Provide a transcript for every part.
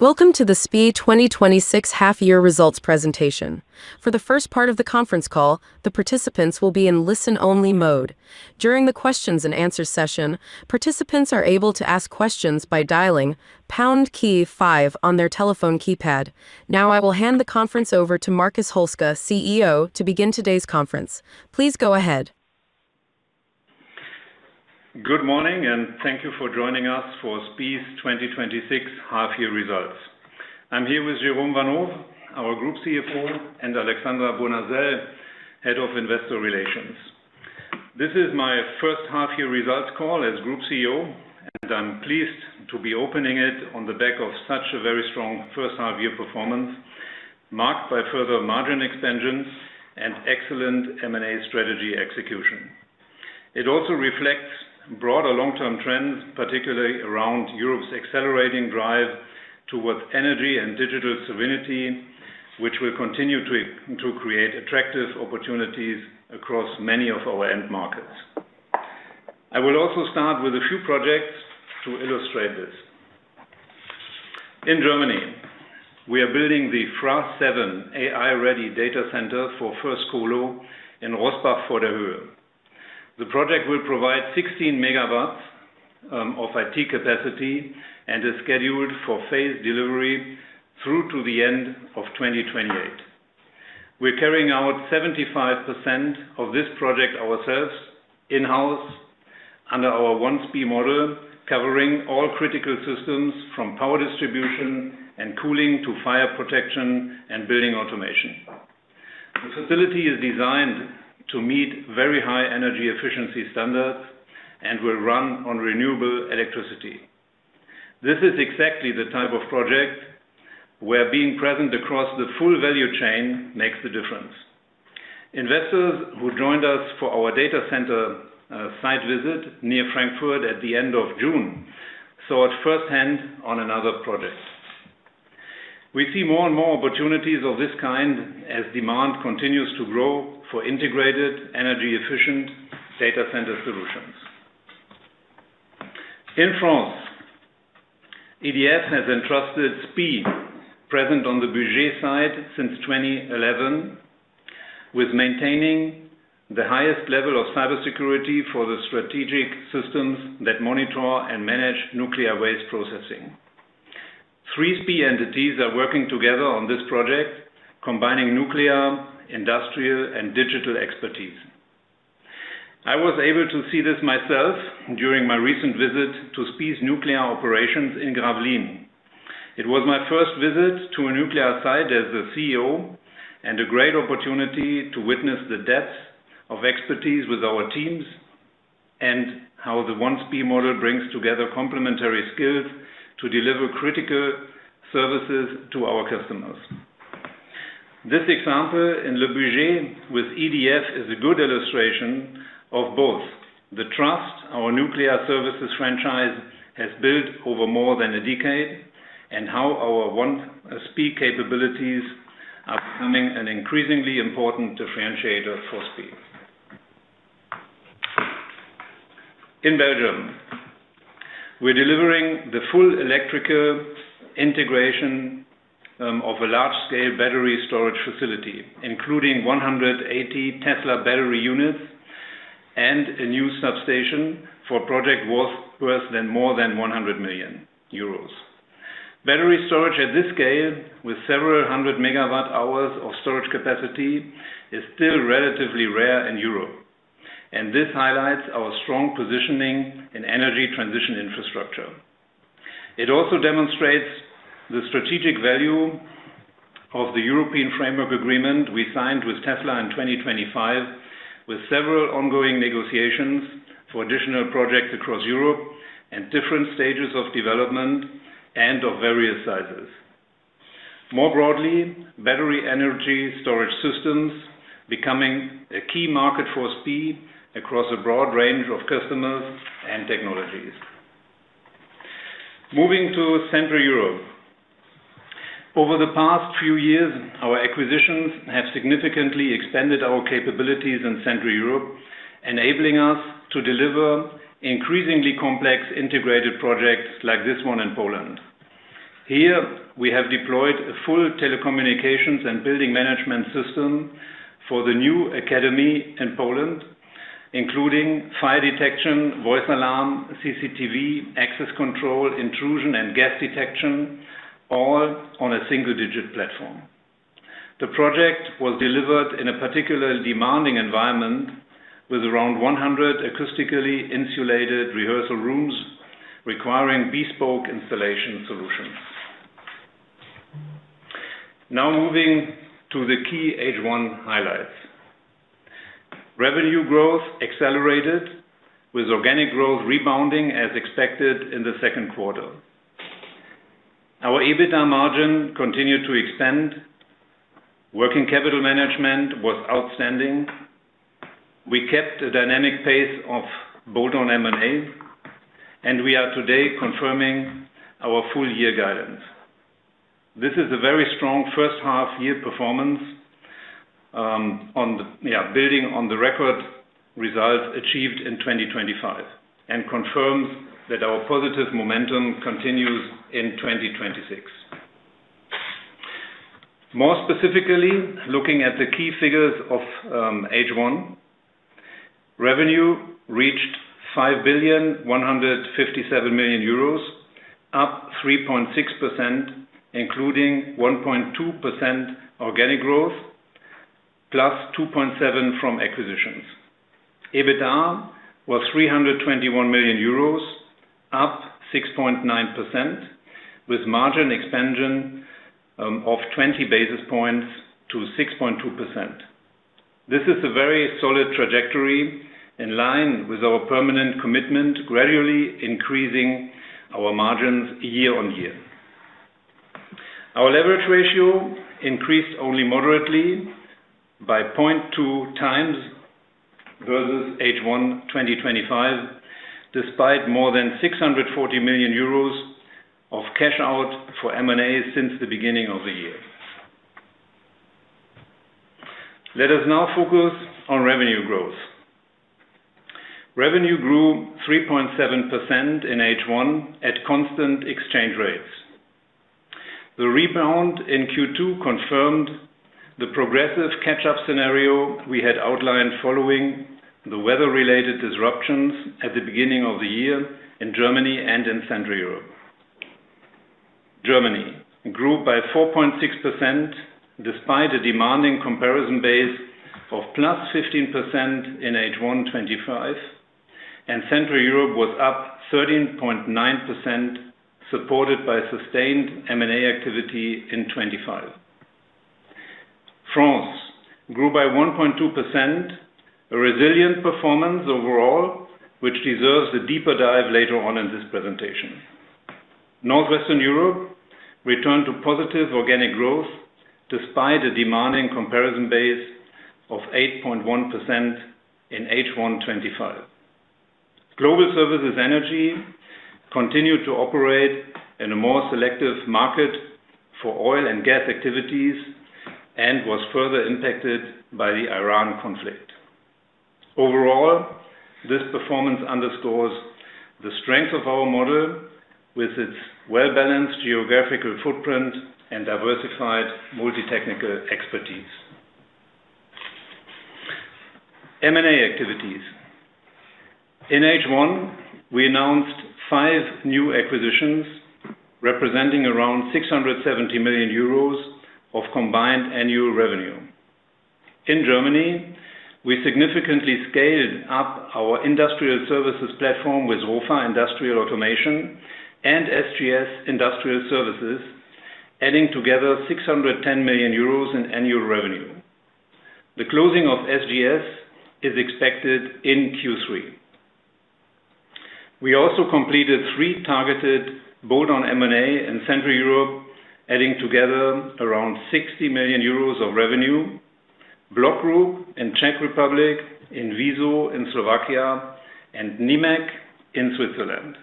Welcome to the SPIE 2026 Half-Year Results Presentation. For the first part of the conference call, the participants will be in listen-only mode. During the questions and answers session, participants are able to ask questions by dialing pound key five on their telephone keypad. Now, I will hand the conference over to Markus Holzke, CEO, to begin today's conference. Please go ahead. Good morning, thank you for joining us for SPIE's 2026 half-year results. I'm here with Jérôme Vanhove, our Group CFO, and Alexandra Bournazel, Head of Investor Relations. This is my first half-year results call as Group CEO. I'm pleased to be opening it on the back of such a very strong first half-year performance, marked by further margin expansions and excellent M&A strategy execution. It also reflects broader long-term trends, particularly around Europe's accelerating drive towards energy and digital sovereignty, which will continue to create attractive opportunities across many of our end markets. I will also start with a few projects to illustrate this. In Germany, we are building the FRA7 AI-ready data center for Firstcolo in Rosbach vor der Höhe. The project will provide 16MW of IT capacity and is scheduled for phased delivery through to the end of 2028. We're carrying out 75% of this project ourselves in-house under our One SPIE model, covering all critical systems from power distribution and cooling to fire protection and building automation. The facility is designed to meet very high energy efficiency standards and will run on renewable electricity. This is exactly the type of project where being present across the full value chain makes a difference. Investors who joined us for our data center site visit near Frankfurt at the end of June saw it firsthand on another project. We see more and more opportunities of this kind as demand continues to grow for integrated energy-efficient data center solutions. In France, EDF has entrusted SPIE, present on the Bugey site since 2011, with maintaining the highest level of cybersecurity for the strategic systems that monitor and manage nuclear waste processing. Three SPIE entities are working together on this project, combining nuclear, industrial, and digital expertise. I was able to see this myself during my recent visit to SPIE's nuclear operations in Gravelines. It was my first visit to a nuclear site as a CEO and a great opportunity to witness the depth of expertise with our teams and how the One SPIE model brings together complementary skills to deliver critical services to our customers. This example in Le Bugey with EDF is a good illustration of both the trust our nuclear services franchise has built over more than a decade and how our One SPIE capabilities are becoming an increasingly important differentiator for SPIE. In Belgium, we're delivering the full electrical integration of a large-scale battery storage facility, including 180 Tesla battery units and a new substation for a project worth more than 100 million euros. Battery storage at this scale, with several hundred megawatt hours of storage capacity, is still relatively rare in Europe, and this highlights our strong positioning in energy transition infrastructure. It also demonstrates the strategic value of the European framework agreement we signed with Tesla in 2025, with several ongoing negotiations for additional projects across Europe in different stages of development and of various sizes. More broadly, battery energy storage systems are becoming a key market for SPIE across a broad range of customers and technologies. Moving to Central Europe. Over the past few years, our acquisitions have significantly expanded our capabilities in Central Europe, enabling us to deliver increasingly complex integrated projects like this one in Poland. Here, we have deployed a full telecommunications and building management system for the new academy in Poland, including fire detection, voice alarm, CCTV, access control, intrusion, and gas detection, all on a single-digit platform. The project was delivered in a particularly demanding environment with around 100 acoustically insulated rehearsal rooms requiring bespoke installation solutions. Now, moving to the key H1 highlights. Revenue growth accelerated with organic growth rebounding as expected in the second quarter. Our EBITA margin continued to expand. Working capital management was outstanding. We kept a dynamic pace of bolt-on M&A, and we are today confirming our full-year guidance. This is a very strong first-half-year performance, building on the record results achieved in 2025 and confirms that our positive momentum continues in 2026. More specifically, looking at the key figures of H1, revenue reached 5.157 billion, up 3.6%, including 1.2% organic growth, +2.7% from acquisitions. EBITA was EUR 321 million, up 6.9%, with margin expansion of 20 basis points to 6.2%. This is a very solid trajectory in line with our permanent commitment, gradually increasing our margins year on year. Our leverage ratio increased only moderately by 0.2x versus H1 2025, despite more than 640 million euros of cash out for M&A since the beginning of the year. Let us now focus on revenue growth. Revenue grew 3.7% in H1 at constant exchange rates. The rebound in Q2 confirmed the progressive catch-up scenario we had outlined following the weather-related disruptions at the beginning of the year in Germany and in Central Europe. Germany grew by 4.6%, despite a demanding comparison base of +15% in H1 2025, and Central Europe was up 13.9%, supported by sustained M&A activity in 2025. France grew by 1.2%, a resilient performance overall, which deserves a deeper dive later on in this presentation. Northwestern Europe returned to positive organic growth despite a demanding comparison base of 8.1% in H1 2025. Global Services Energy continued to operate in a more selective market for oil and gas activities and was further impacted by the Iran conflict. Overall, this performance underscores the strength of our model with its well-balanced geographical footprint and diversified multi-technical expertise. M&A activities. In H1, we announced five new acquisitions representing around 670 million euros of combined annual revenue. In Germany, we significantly scaled up our industrial services platform with ROFA Industrial Automation and SGS Industrial Services, adding together 610 million euros in annual revenue. The closing of SGS is expected in Q3. We also completed three targeted bolt-on M&A in Central Europe, adding together around 60 million euros of revenue. BLOCK Group in Czech Republic, INVIZO in Slovakia, and nimeg ag in Switzerland.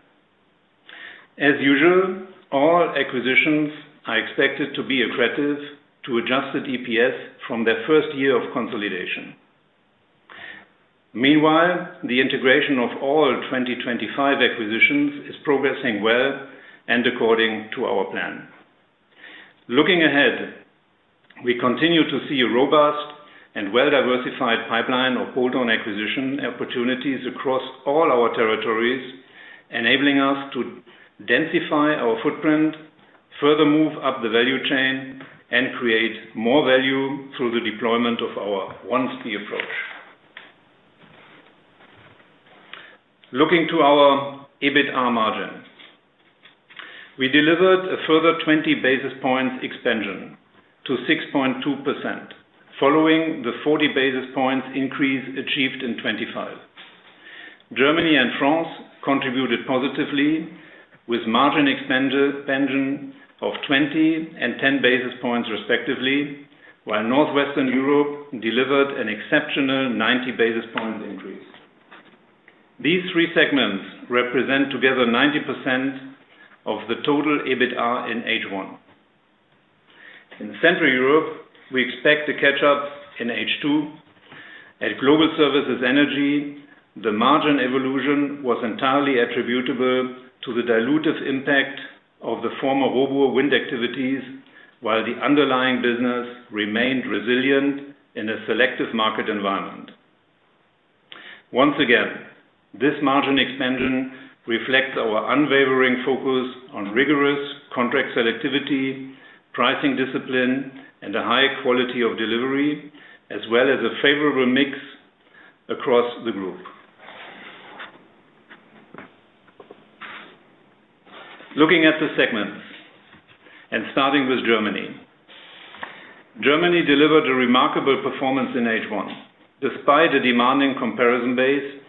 As usual, all acquisitions are expected to be accretive to adjusted EPS from their first year of consolidation. Meanwhile, the integration of all 2025 acquisitions is progressing well and according to our plan. Looking ahead, we continue to see a robust and well-diversified pipeline of bolt-on acquisition opportunities across all our territories, enabling us to densify our footprint, further move up the value chain, and create more value through the deployment of our One SPIE approach. Looking to our EBITDA margin. We delivered a further 20 basis points expansion to 6.2%, following the 40 basis points increase achieved in 2025. Germany and France contributed positively with margin expansions of 20 and 10 basis points, respectively, while Northwestern Europe delivered an exceptional 90 basis points increase. These three segments represent together 90% of the total EBITDA in H1. In Central Europe, we expect to catch up in H2. At Global Services Energy, the margin evolution was entirely attributable to the dilutive impact of the former ROBUR Wind activities, while the underlying business remained resilient in a selective market environment. Once again, this margin expansion reflects our unwavering focus on rigorous contract selectivity, pricing discipline, and a high quality of delivery, as well as a favorable mix across the group. Looking at the segments and starting with Germany. Germany delivered a remarkable performance in H1, despite a demanding comparison base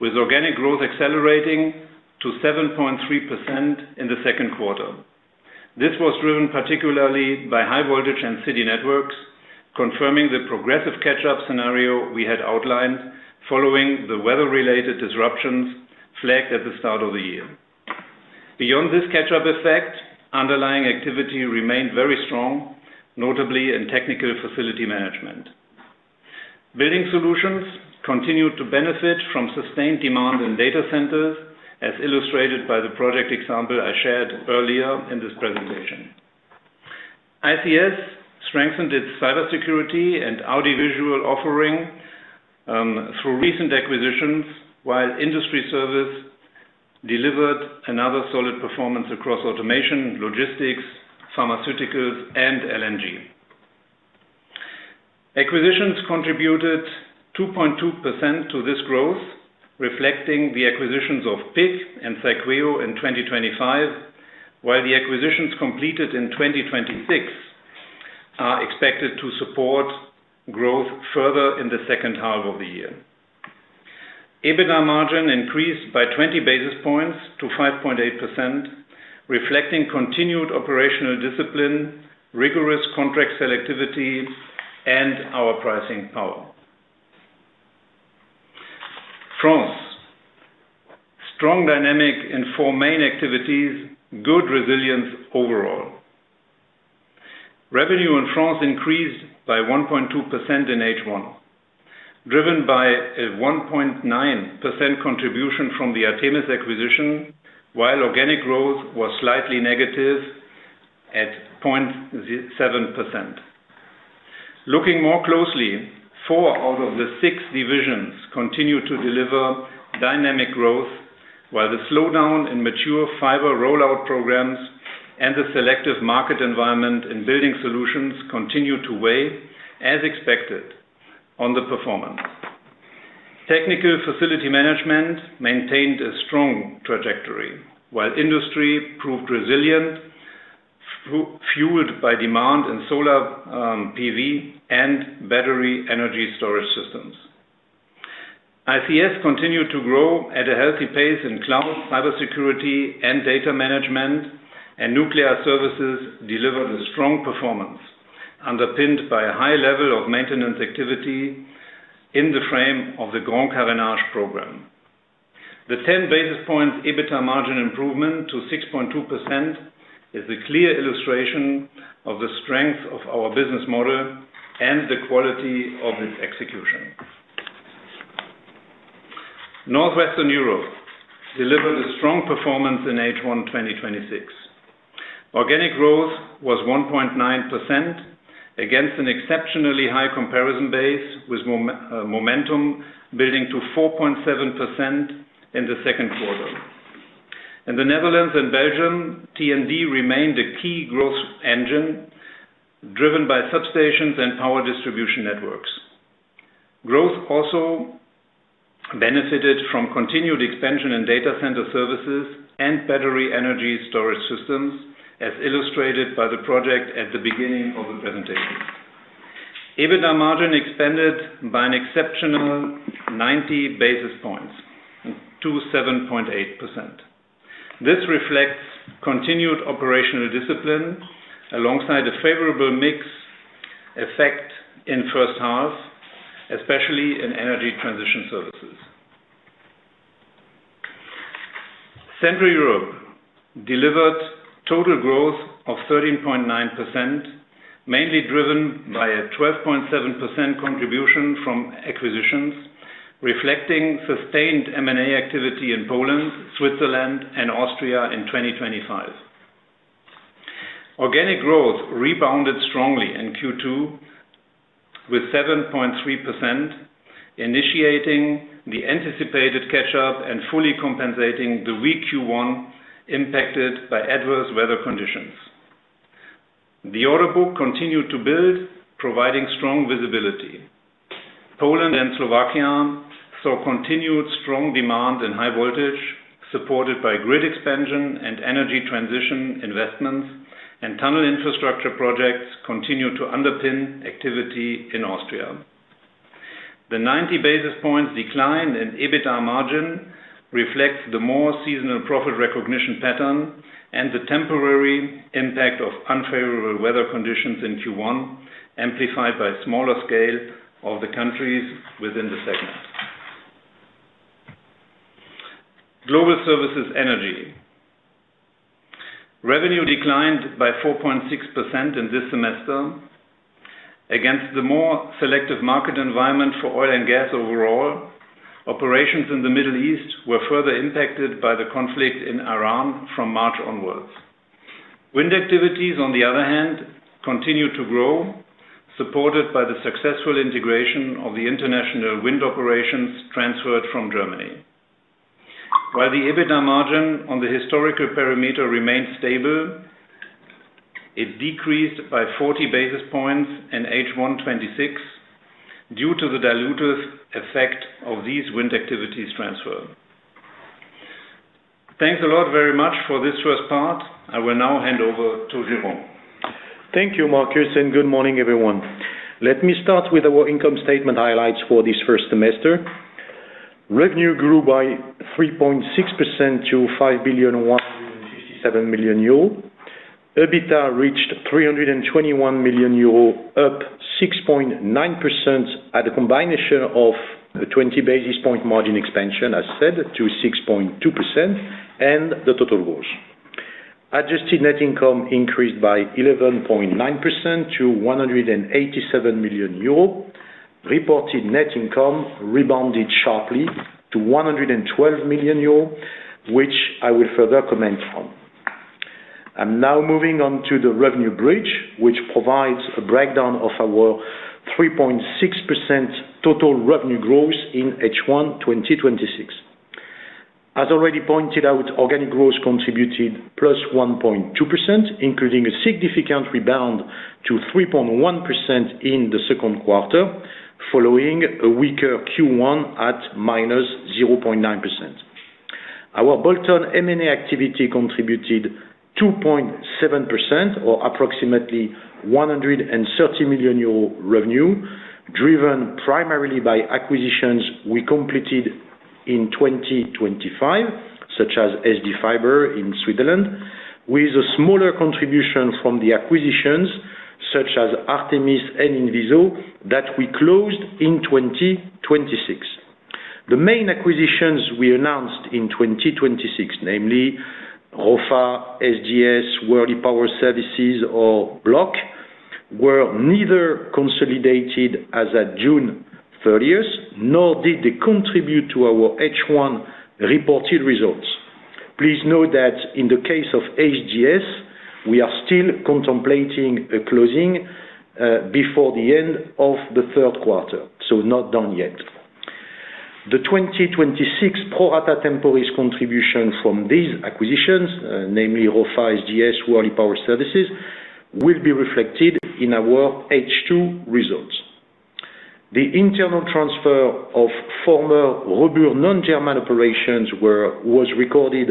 with organic growth accelerating to 7.3% in the second quarter. This was driven particularly by high voltage and city networks, confirming the progressive catch-up scenario we had outlined following the weather-related disruptions flagged at the start of the year. Beyond this catch-up effect, underlying activity remained very strong, notably in technical facility management. Building solutions continued to benefit from sustained demand in data centers, as illustrated by the project example I shared earlier in this presentation. ICS strengthened its cybersecurity and audiovisual offering through recent acquisitions, while industry service delivered another solid performance across automation, logistics, pharmaceuticals, and LNG. Acquisitions contributed 2.2% to this growth, reflecting the acquisitions of PIK AG and Cyqueo in 2025, while the acquisitions completed in 2026 are expected to support growth further in the second half of the year. EBITDA margin increased by 20 basis points to 5.8%, reflecting continued operational discipline, rigorous contract selectivity, and our pricing power. France. Strong dynamic in four main activities. Good resilience overall. Revenue in France increased by 1.2% in H1, driven by a 1.9% contribution from the Artemys acquisition, while organic growth was slightly negative at 0.7%. Looking more closely, four out of the six divisions continue to deliver dynamic growth, while the slowdown in mature fiber rollout programs and the selective market environment in building solutions continue to weigh, as expected, on the performance. Technical facility management maintained a strong trajectory while industry proved resilient, fueled by demand in solar PV and battery energy storage systems. ICS continued to grow at a healthy pace in cloud, cybersecurity, and data management, and nuclear services delivered a strong performance, underpinned by a high level of maintenance activity in the frame of the Grand Carénage program. The ten- basis points EBITDA margin improvement to 6.2% is a clear illustration of the strength of our business model and the quality of its execution. Northwestern Europe delivered a strong performance in H1 2026. Organic growth was 1.9% against an exceptionally high comparison base, with momentum building to 4.7% in the second quarter. In the Netherlands and Belgium, T&D remained a key growth engine, driven by substations and power distribution networks. Growth also benefited from continued expansion in data center services and battery energy storage systems, as illustrated by the project at the beginning of the presentation. EBITDA margin expanded by an exceptional 90 basis points to 7.8%. This reflects continued operational discipline alongside a favorable mix effect in the first half, especially in energy transition services. Central Europe delivered total growth of 13.9%, mainly driven by a 12.7% contribution from acquisitions, reflecting sustained M&A activity in Poland, Switzerland, and Austria in 2025. Organic growth rebounded strongly in Q2 with 7.3%, initiating the anticipated catch-up and fully compensating the weak Q1 impacted by adverse weather conditions. The order book continued to build, providing strong visibility. Poland and Slovakia saw continued strong demand and high voltage, supported by grid expansion and energy transition investments, and tunnel infrastructure projects continued to underpin activity in Austria. The 90 basis points decline in EBITDA margin reflects the more seasonal profit recognition pattern and the temporary impact of unfavorable weather conditions in Q1, amplified by smaller scale of the countries within the segment. Global Services Energy. Revenue declined by 4.6% in this semester against the more selective market environment for oil and gas overall. Operations in the Middle East were further impacted by the conflict in Iran from March onwards. Wind activities, on the other hand, continued to grow, supported by the successful integration of the international wind operations transferred from Germany. While the EBITDA margin on the historical parameter remained stable, it decreased by 40 basis points in H1 2026 due to the dilutive effect of these wind activities' transfer. Thanks a lot, very much, for this first part. I will now hand over to Jérôme. Thank you, Markus, and good morning, everyone. Let me start with our income statement highlights for this first semester. Revenue grew by 3.6% to 5,157 million euros. EBITDA reached 321 million euros, up 6.9%, at a combination of a 20-basis-Point margin expansion, as said, to 6.2%, and the total growth. Adjusted net income increased by 11.9% to 187 million euro. Reported net income rebounded sharply to 112 million euro, which I will further comment on. I'm now moving on to the revenue bridge, which provides a breakdown of our 3.6% total revenue growth in H1 2026. As already pointed out, organic growth contributed +1.2%, including a significant rebound to 3.1% in the second quarter, following a weaker Q1 at -0.9%. Our bolt-on M&A activity contributed 2.7%, or approximately 130 million euro revenue, driven primarily by acquisitions we completed in 2025, such as SD Fiber in Switzerland, with a smaller contribution from the acquisitions such as Artemys and Invizo that we closed in 2026. The main acquisitions we announced in 2026, namely ROFA, SGS, Worley Power Services, or BLOCK, were neither consolidated as of June 30th, nor did they contribute to our H1 reported results. Please note that in the case of SGS, we are still contemplating a closing before the end of the third quarter. Not done yet. The 2026 pro rata temporis contribution from these acquisitions, namely ROFA, SGS, and Worley Power Services, will be reflected in our H2 results. The internal transfer of former ROBUR non-German operations was recorded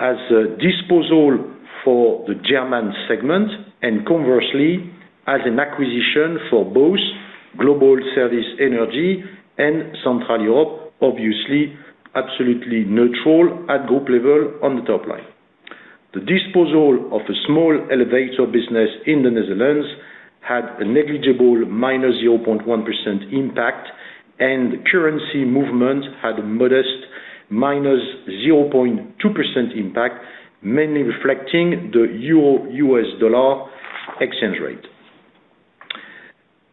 as a disposal for the German segment and, conversely, as an acquisition for both Global Services Energy and Central Europe, obviously absolutely neutral at the group level on the top line. The disposal of the small elevator business in the Netherlands had a negligible -0.1% impact, and currency movement had a modest -0.2% impact, mainly reflecting the euro-US dollar exchange rate.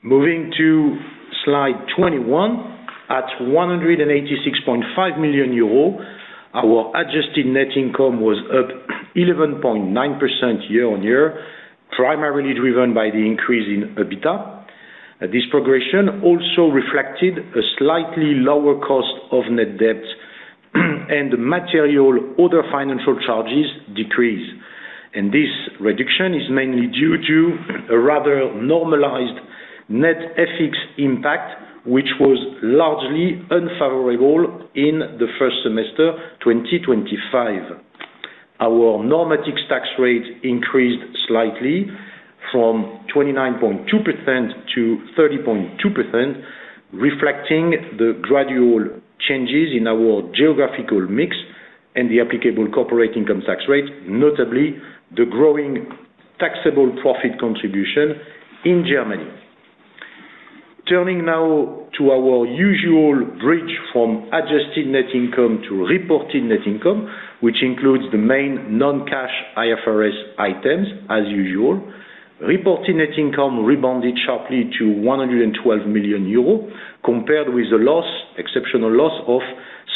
Moving to slide 21. At 186.5 million euros, our adjusted net income was up 11.9% year-on-year, primarily driven by the increase in EBITA. This progression also reflected a slightly lower cost of net debt and material other financial charges decrease. This reduction is mainly due to a rather normalized net FX impact, which was largely unfavorable in the first semester of 2025. Our normative tax rate increased slightly from 29.2% to 30.2%, reflecting the gradual changes in our geographical mix and the applicable corporate income tax rate, notably the growing taxable profit contribution in Germany. Turning now to our usual bridge from adjusted net income to reported net income, which includes the main non-cash IFRS items, as usual. Reported net income rebounded sharply to 112 million euros compared with an exceptional loss of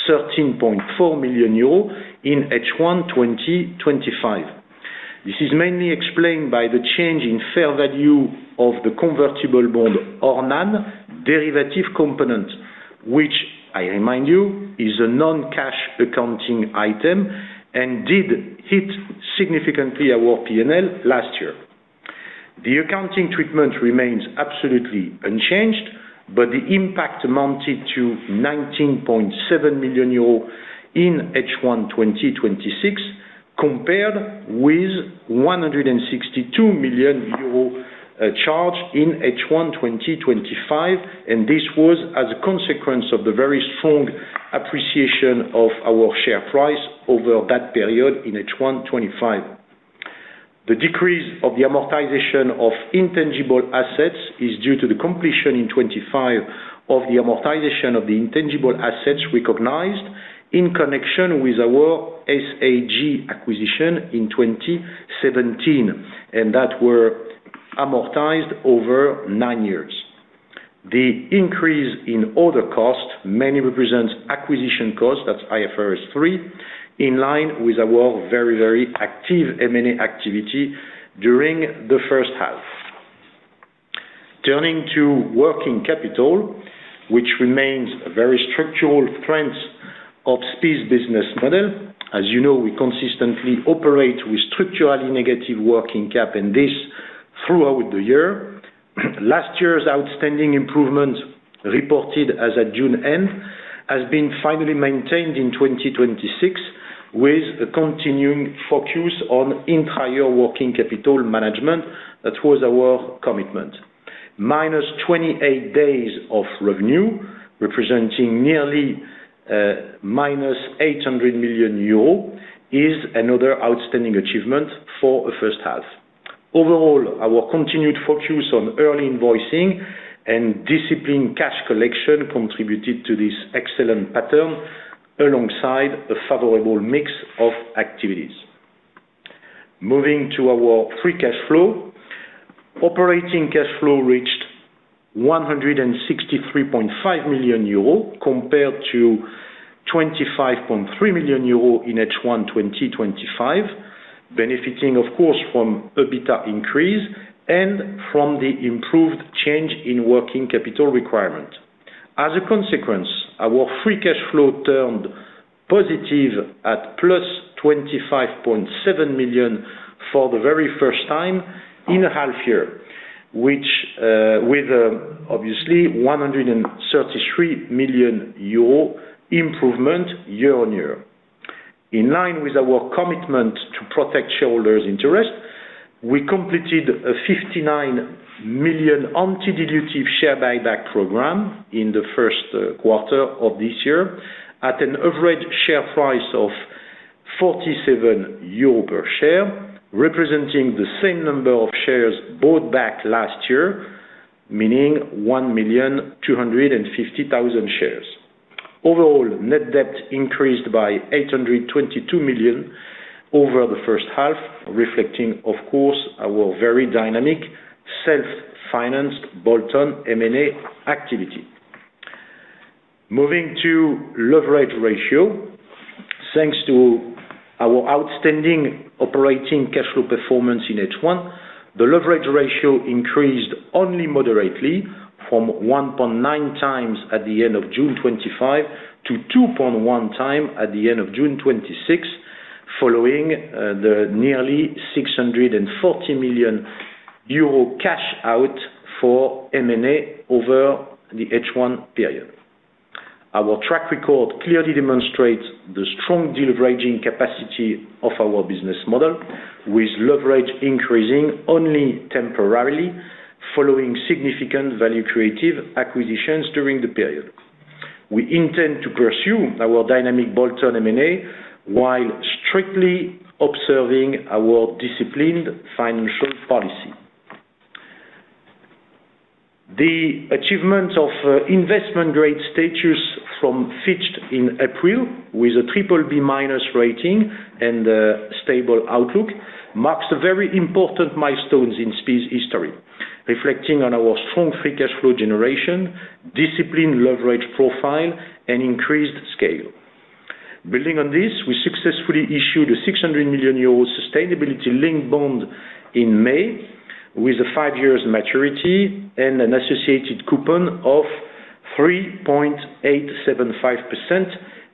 13.4 million euros in H1 2025. This is mainly explained by the change in fair value of the convertible bond, ORNANE, derivative component, which, I remind you, is a non-cash accounting item and did hit significantly our P&L last year. The accounting treatment remains absolutely unchanged, but the impact amounted to 19.7 million euros in H1 2026 compared with 162 million euros charge in H1 2025, and this was as a consequence of the very strong appreciation of our share price over that period in H1 2025. The decrease of the amortization of intangible assets is due to the completion in 2025 of the amortization of the intangible assets recognized in connection with our SAG acquisition in 2017, and those were amortized over nine years. The increase in other costs mainly represents acquisition costs, which is IFRS 3, in line with our very active M&A activity during the first half. Turning to working capital, which remains a very structural strength of SPIE's business model. As you know, we consistently operate with a structurally negative working cap, and this has been the case throughout the year. Last year's outstanding improvements reported as at the June end have been finally maintained in 2026 with a continuing focus on entire working capital management. That was our commitment. -28 days of revenue, representing nearly -800 million euro, is another outstanding achievement for a first half. Overall, our continued focus on early invoicing and disciplined cash collection contributed to this excellent pattern alongside a favorable mix of activities. Moving to our free cash flow. Operating cash flow reached 163.5 million euros compared to 25.3 million euros in H1 2025, benefiting, of course, from the EBITDA increase and from the improved change in working capital requirement. As a consequence, our free cash flow turned positive at +25.7 million for the very first time in a half year, with an obviously 133 million euro improvement year-on-year. In line with our commitment to protect shareholders' interest, we completed a 59 million anti-dilutive share buyback program in the first quarter of this year at an average share price of 47 euro per share, representing the same number of shares bought back last year, meaning 1,250,000 shares. Overall, net debt increased by 822 million over the first half, reflecting, of course, our very dynamic self-financed bolt-on M&A activity. Moving to leverage ratio. Thanks to our outstanding operating cash flow performance in H1, the leverage ratio increased only moderately from 1.9x at the end of June 2025 to 2.1x at the end of June 2026, following the nearly 640 million euro cash out for M&A over the H1 period. Our track record clearly demonstrates the strong deleveraging capacity of our business model, with leverage increasing only temporarily following significant value-creative acquisitions during the period. We intend to pursue our dynamic bolt-on M&A while strictly observing our disciplined financial policy. The achievement of investment grade status from Fitch in April with a BBB- rating and a stable outlook marks a very important milestone in SPIE's history, reflecting on our strong free cash flow generation, disciplined leverage profile, and increased scale. Building on this, we successfully issued a 600 million euro sustainability-linked bond in May with a five-year maturity and an associated coupon of 3.875%,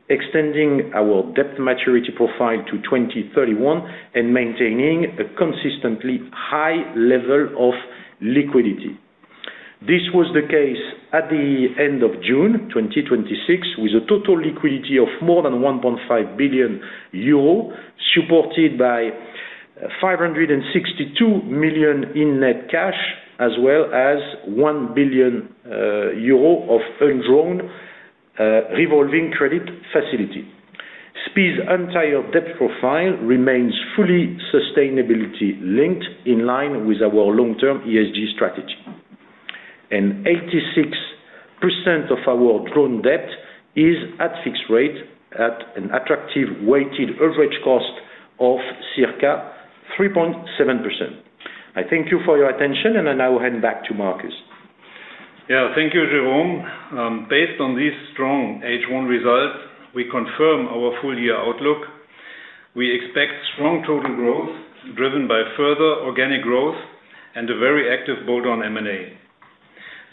extending our debt maturity profile to 2031 and maintaining a consistently high level of liquidity. This was the case at the end of June 2026, with a total liquidity of more than 1.5 billion euro, supported by 562 million in net cash, as well as 1 billion euro of undrawn revolving credit facility. SPIE's entire debt profile remains fully sustainability-linked in line with our long-term ESG strategy. 86% of our drawn debt is at a fixed rate at an attractive weighted average cost of circa 3.7%. I thank you for your attention, and I now hand it back to Markus. Thank you, Jérôme. Based on these strong H1 results, we confirm our full-year outlook. We expect strong total growth driven by further organic growth and a very active bolt-on M&A.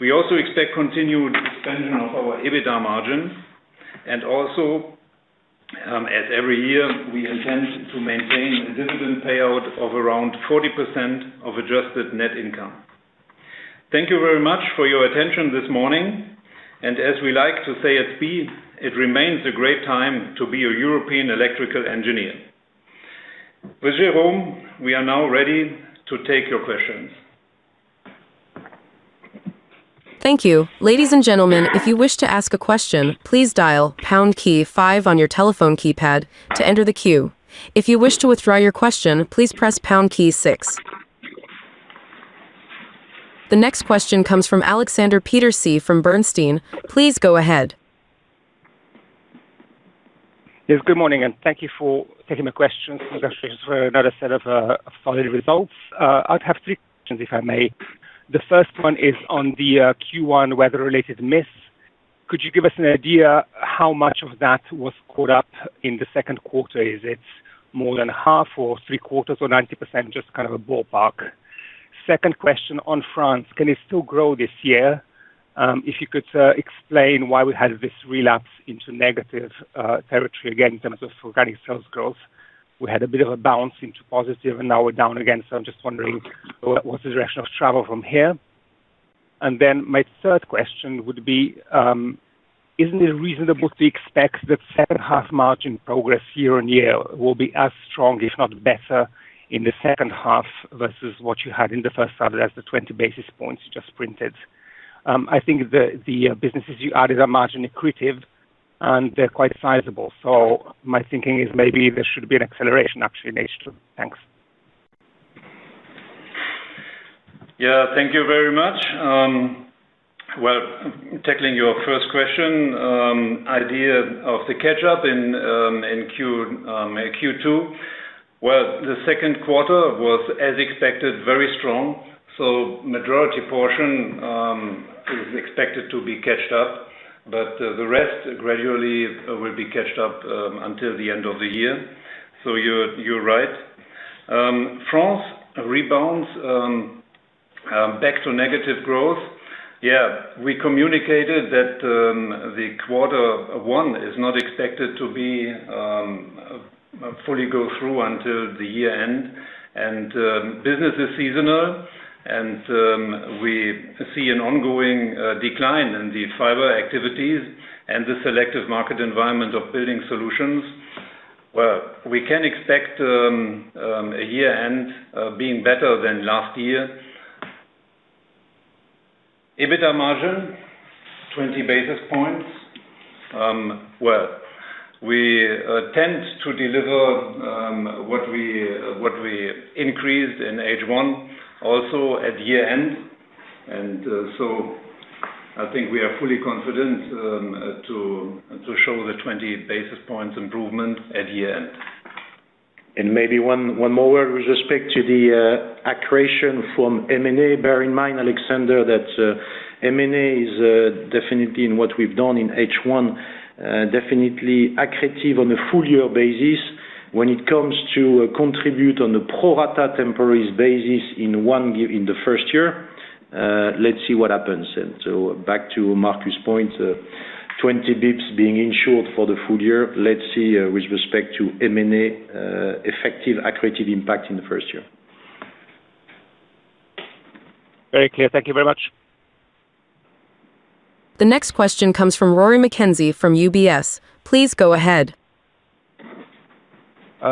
We also expect continued expansion of our EBITA margins. Also, as every year, we intend to maintain a dividend payout of around 40% of adjusted net income. Thank you very much for your attention this morning. As we like to say at SPIE, it remains a great time to be a European electrical engineer. With Jérôme, we are now ready to take your questions. Thank you. Ladies and gentlemen, if you wish to ask a question, please dial pound key five on your telephone keypad to enter the queue. If you wish to withdraw your question, please press pound key six. The next question comes from Aleksander Peterc from Bernstein. Please go ahead. Good morning, and thank you for taking my questions. Congratulations for another set of solid results. I have three questions, if I may. The first one is on the Q1 weather-related miss. Could you give us an idea how much of that was caught up in the second quarter? Is it more than half or three-quarters or 90%? Just kind of a ballpark. Second question on France: can it still grow this year? If you could explain why we had this relapse into negative territory again in terms of organic sales growth. We had a bit of a bounce into positive, and now we're down again. I'm just wondering what the direction of travel is from here. My third question would be, isn't it reasonable to expect that second-half margin progress year-on-year will be as strong, if not better, in the second half versus what you had in the first half? That's the 20 basis points you just printed. I think the businesses you added are margin accretive, and they're quite sizable. My thinking is maybe there should be an acceleration actually in H2. Thanks. Thank you very much. Tackling your first question, the idea of the catch-up in Q2. The second quarter was, as expected, very strong. The majority portion is expected to be caught up, but the rest gradually will be caught up until the end of the year. You're right. France rebounds back to negative growth. We communicated that quarter one is not expected to fully go through until the year-end. Business is seasonal, and we see an ongoing decline in the fiber activities and the selective market environment of building solutions. We can expect a year-end being better than last year. EBITA margin, 20 basis points. We tend to deliver what we increased in H1 also at year-end. I think we are fully confident in showing the 20 basis points improvement at year-end. Maybe one more with respect to the accretion from M&A. Bear in mind, Aleksander, that M&A is definitely what we've done in H1, definitely accretive on a full-year basis when it comes to contributing on the pro rata temporis basis in the first year. Let's see what happens. Back to Markus' point, 20 basis points being insured for the full year. Let's see, with respect to M&A, effective accretive impact in the first year. Very clear. Thank you very much. The next question comes from Rory McKenzie from UBS. Please go ahead.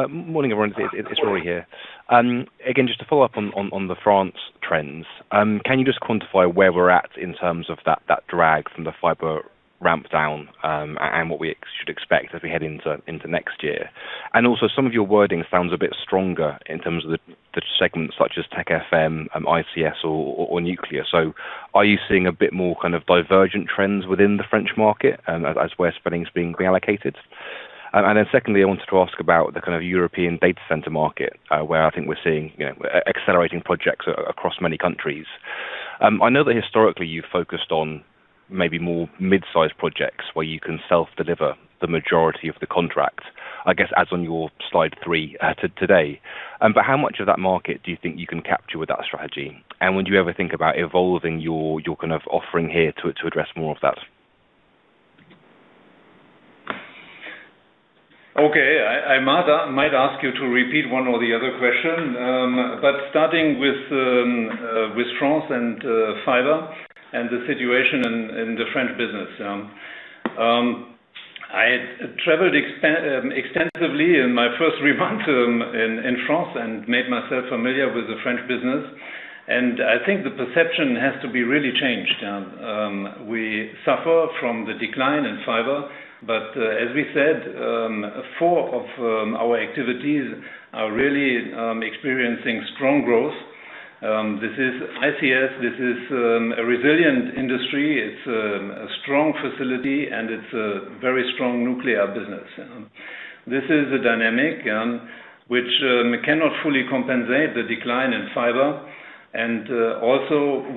Morning, everyone. It's Rory here. Just to follow up on the France trends. Can you just quantify where we are at in terms of that drag from the fiber ramp down and what we should expect as we head into next year? Some of your wording sounds a bit stronger in terms of the segments, such as Tech FM and ICS or Nuclear. Are you seeing a bit more kind of divergent trends within the French market, where spending is being reallocated? Secondly, I wanted to ask about the kind of European data center market where I think we are seeing accelerating projects across many countries. I know that historically you focused on maybe more mid-size projects where you can self-deliver the majority of the contract, I guess, as on your slide three today. How much of that market do you think you can capture with that strategy? Would you ever think about evolving your kind of offering here to address more of that? Okay. I might ask you to repeat one or the other question. Starting with France and fiber and the situation in the French business. I traveled extensively in my first three months in France and made myself familiar with the French business, and I think the perception has to be really changed. We suffer from the decline in fiber, as we said; four of our activities are really experiencing strong growth. This is ICS, this is a resilient industry, it's a strong facility, and it's a very strong nuclear business. This is a dynamic that cannot fully compensate for the decline in fiber.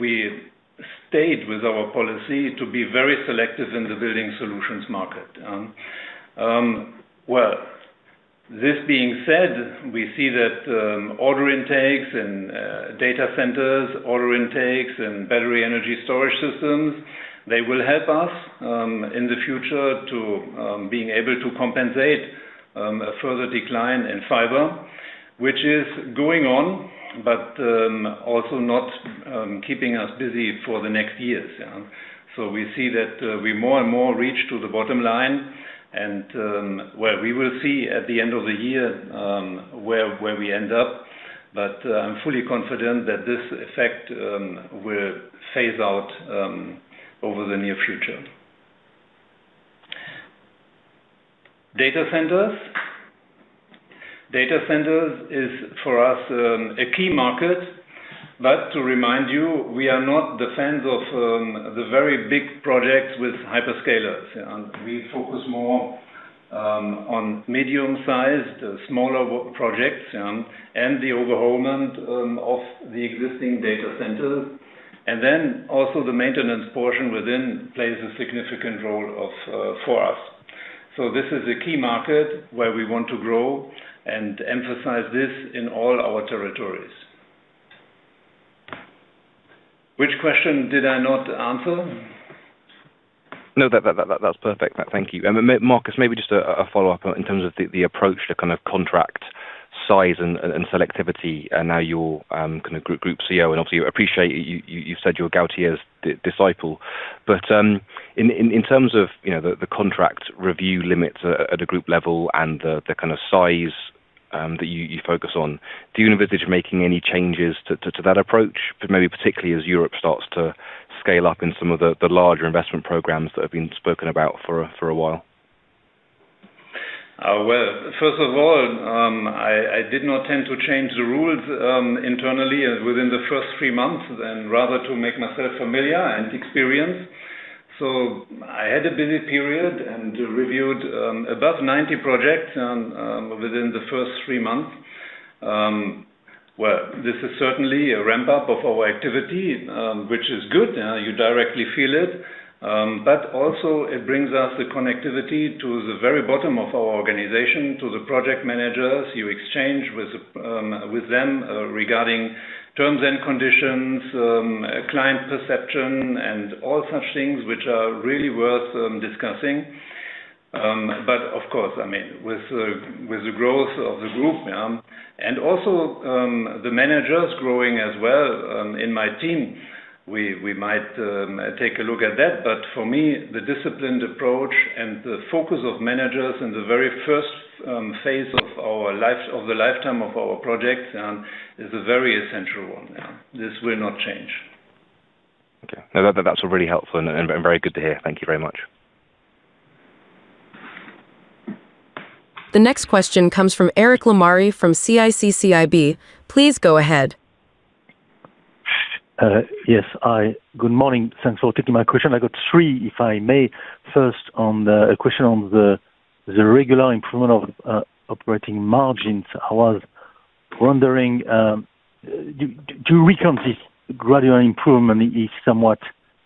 We stayed with our policy to be very selective in the building solutions market. Well, this being said, we see that order intakes in data centers and order intakes in battery energy storage systems will help us in the future to be able to compensate for a further decline in fiber, which is going on, but also not keep us busy for the next years. We see that we more and more reach the bottom line, and, well, we will see at the end of the year where we end up. I'm fully confident that this effect will phase out over the near future. Data centers. Data centers are, for us, a key market. To remind you, we are not the fans of the very big projects with hyperscalers. We focus more on medium-sized, smaller projects and the overhaul of the existing data centers. The maintenance portion within plays a significant role for us. This is a key market where we want to grow and emphasize this in all our territories. Which question did I not answer? No, that's perfect. Thank you. Markus, maybe just a follow-up in terms of the approach to the kind of contract size and selectivity. Now you're Group CEO, and obviously we appreciate you said you're Gauthier's disciple. In terms of the contract review limits at a group level and the kind of size that you focus on, do you envisage making any changes to that approach? Maybe particularly as Europe starts to scale up in some of the larger investment programs that have been spoken about for a while. Well, first of all, I did not tend to change the rules internally within the first three months but rather to make myself familiar and experienced. I had a busy period and reviewed over 90 projects within the first three months. Well, this is certainly a ramp-up of our activity, which is good. You directly feel it. Also, it brings us the connectivity to the very bottom of our organization, to the project managers. You exchange with them regarding terms and conditions, client perception, and all such things that are really worth discussing. Of course, with the growth of the group and also the managers growing as well in my team, we might take a look at that. For me, the disciplined approach and the focus of managers in the very first phase of the lifetime of our projects is a very essential one. This will not change. Okay. That's all really helpful and very good to hear. Thank you very much. The next question comes from Eric Lemarié from CIC CIB. Please go ahead. Yes. Hi, good morning. Thanks for taking my question. I got three, if I may. First, a question on the regular improvement of operating margins. I was wondering, do you reckon this gradual improvement is somewhat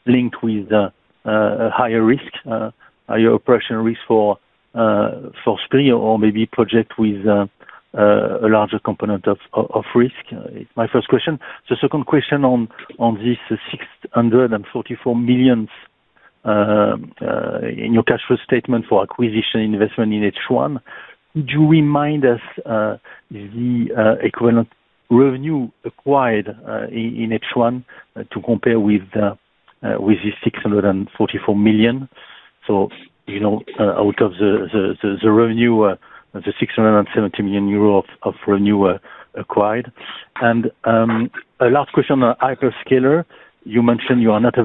linked with a higher risk, higher operational risk for SPIE, or maybe a project with a larger component of risk? It's my first question. The second question on this 644 million in your cash flow statement for the acquisition investment in H1: could you remind us if the equivalent revenue acquired in H1 is to compare with the 644 million? Out of the revenue, the 670 million euro of revenue was acquired. A last question on hyperscaler. You mentioned you are not a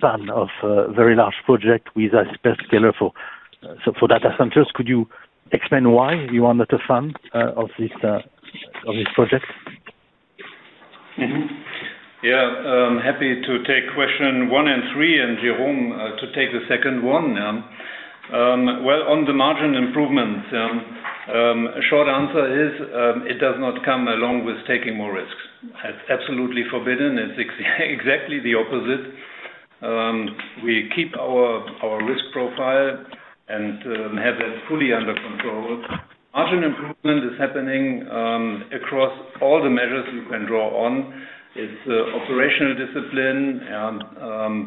fan of a very large project with a hyperscaler for data centers. Could you explain why you are not a fan of this project? Happy to take questions one and three, and Jérôme to take the second one. On the margin improvements, the short answer is, it does not come along with taking more risks. It's absolutely forbidden. It's exactly the opposite. We keep our risk profile and have it fully under control. Margin improvement is happening across all the measures you can draw on. It's operational discipline,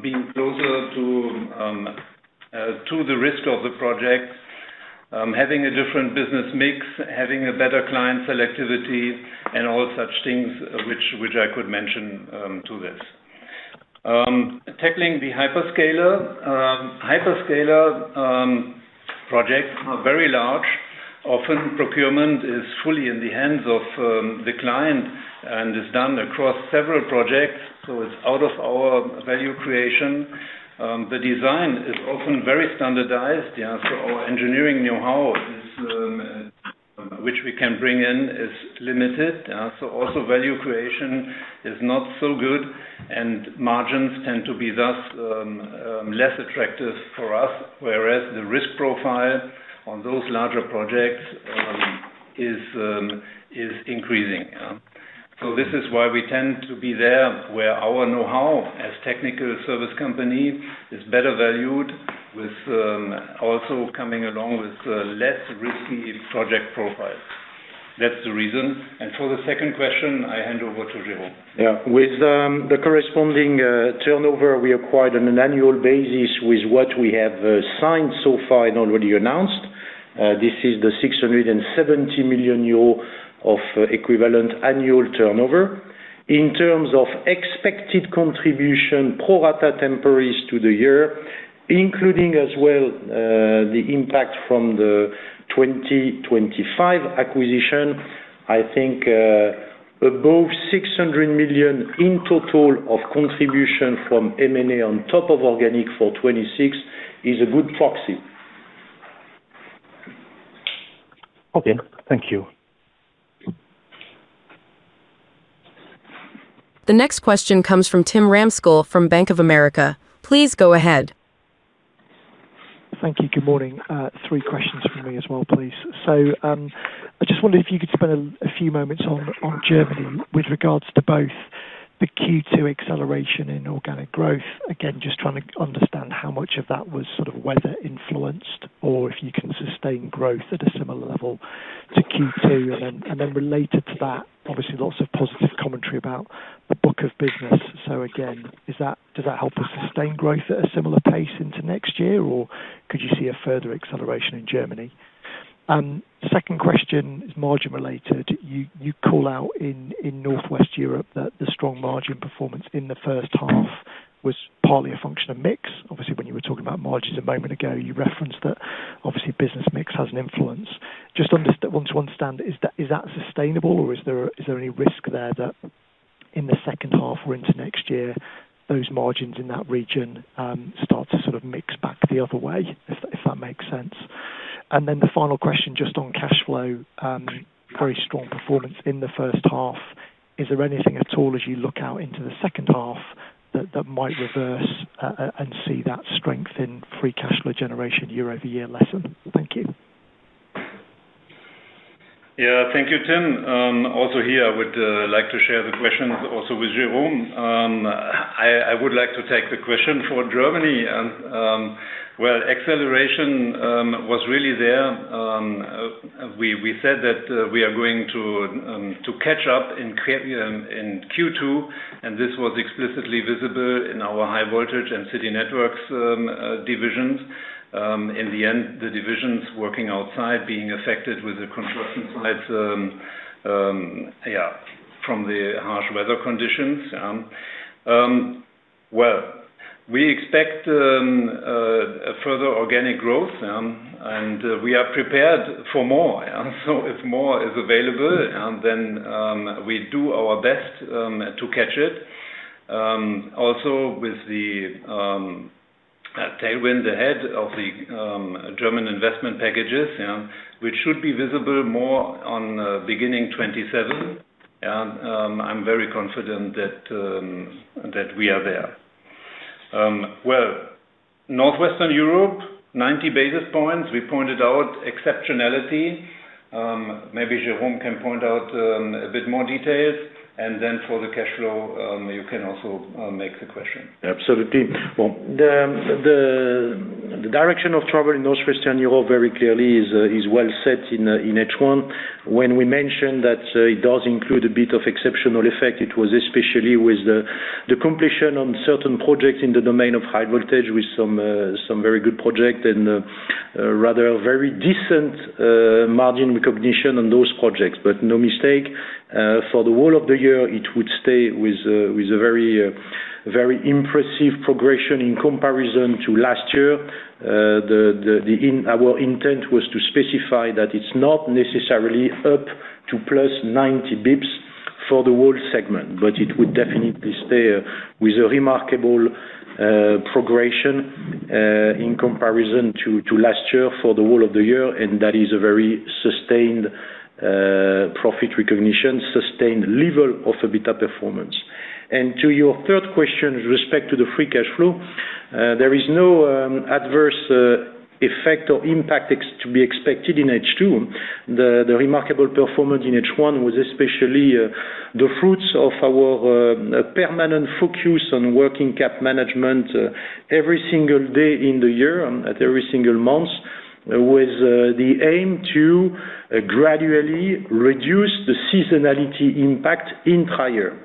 being closer to the risk of the project, having a different business mix, having better client selectivity, and all such things that I could mention to this. Tackling the hyperscaler. Hyperscaler projects are very large. Often procurement is fully in the hands of the client and is done across several projects. It's out of our value creation. The design is often very standardized. Our engineering know-how, which we can bring in, is limited. Also, value creation is not so good, and margins tend to be thus less attractive for us, whereas the risk profile on those larger projects is increasing. This is why we tend to be there where our know-how as a technical service company is better valued, also coming along with less risky project profiles. That's the reason. For the second question, I hand over to Jérôme. With the corresponding turnover we acquired on an annual basis with what we have signed so far and already announced, this is the 670 million euro of equivalent annual turnover. In terms of expected contribution pro rata temporis to the year, including as well the impact from the 2025 acquisition. I think above 600 million in total of contribution from M&A on top of organic for 2026 is a good proxy. Thank you. The next question comes from Tim Ramskill from Bank of America. Please go ahead. Thank you. Good morning. Three questions from me as well, please. I just wondered if you could spend a few moments on Germany with regard to the Q2 acceleration in organic growth. Just trying to understand how much of that was sort of weather influenced or if you can sustain growth at a similar level to Q2. Related to that, obviously lots of positive commentary about the Book of Business. Again, does that help us sustain growth at a similar pace into next year, or could you see a further acceleration in Germany? The second question is margin-related. You call out in Northwest Europe that the strong margin performance in the first half was partly a function of mix. Obviously, when you were talking about margins a moment ago, you referenced that obviously business mix has an influence. I just want to understand, is that sustainable, or is there any risk there that in the second half or into next year, those margins in that region start to sort of mix back the other way, if that makes sense? The final question is just on cash flow. Very strong performance in the first half. Is there anything at all as you look out into the second half that might reverse, and see that strength in free cash flow generation year-over-year lessen? Thank you. Yeah. Thank you, Tim. Also here, I would like to share the questions also with Jérôme. I would like to take the question for Germany. Well, acceleration was really there. We said that we are going to catch up in Q2, and this was explicitly visible in our high-voltage and city-network divisions. In the end, the divisions working outside are being affected by the construction sites from the harsh weather conditions. Well, we expect further organic growth, and we are prepared for more. If more is available, then we do our best to catch it. Also with the tailwind ahead of the German investment packages, which should be more visible beginning in 2027. I'm very confident that we are there. Well, Northwestern Europe, 90 basis points. We pointed out exceptionality. Maybe Jérôme can point out a bit more details, then for the cash flow, you can also make the question. Absolutely. Well, the direction of travel in Northwestern Europe very clearly is well set in H1. When we mentioned that it does include a bit of exceptional effect, it was especially with the completion of certain projects in the domain of high voltage with some very good projects and rather very decent margin recognition on those projects. No mistake, for the whole of the year, it would stay with a very impressive progression in comparison to last year. Our intent was to specify that it's not necessarily up to +90 basis points for the whole segment, but it would definitely stay with a remarkable progression in comparison to last year for the whole of the year. That is a very sustained profit recognition and a sustained level of EBITA performance. To your third question with respect to the free cash flow, there is no adverse effect or impact to be expected in H2. The remarkable performance in H1 was especially the fruits of our permanent focus on working cap management every single day in the year and at every single month, with the aim to gradually reduce the seasonality impact entirely.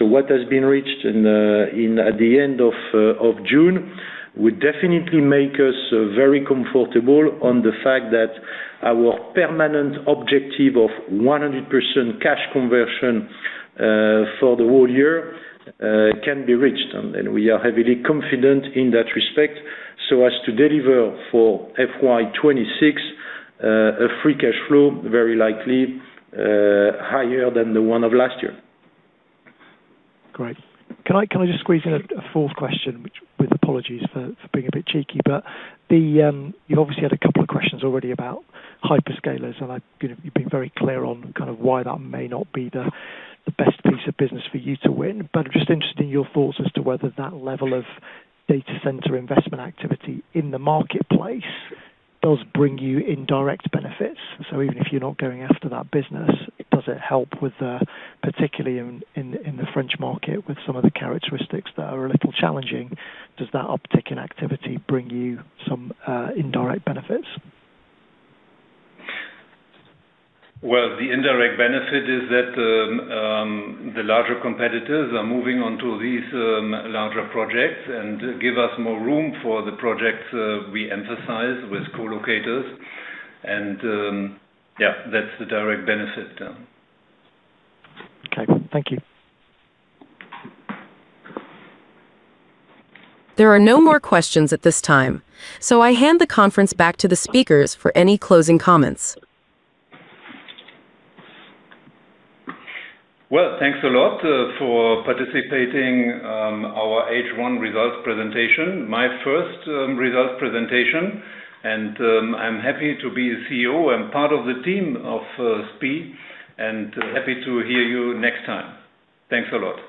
What has been reached at the end of June will definitely make us very comfortable with the fact that our permanent objective of 100% cash conversion for the whole year can be reached. We are heavily confident in that respect so as to deliver for FY 2026 a free cash flow, very likely, higher than the one of last year. Great. Can I just squeeze in a fourth question, with apologies for being a bit cheeky? You've obviously had a couple of questions already about hyperscalers, and you've been very clear on the kind of why that may not be the best piece of business for you to win. I'm just interested in your thoughts as to whether that level of data center investment activity in the marketplace does bring you indirect benefits. Even if you're not going after that business, does it help with the, particularly in the French market, with some of the characteristics that are a little challenging, does that uptick in activity bring you some indirect benefits? Well, the indirect benefit is that the larger competitors are moving on to these larger projects and giving us more room for the projects we emphasize with co-locators, and yeah, that's the direct benefit. Okay. Thank you. There are no more questions at this time. I hand the conference back to the speakers for any closing comments. Well, thanks a lot for participating in our H1 results presentation, my first results presentation. I'm happy to be the CEO and part of the team of SPIE and happy to hear from you next time. Thanks a lot.